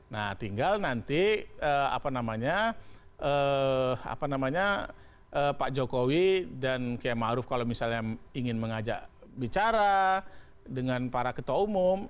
nah tinggal nanti pak jokowi dan ma'ruf kalau misalnya ingin mengajak bicara dengan para ketua umum